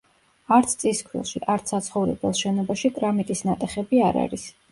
არც წისქვილში, არც საცხოვრებელ შენობაში კრამიტის ნატეხები არ არის.